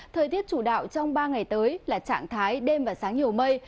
thời tiết chủ đạo trong ba ngày tới là trạng thái đêm và sáng nhiều mây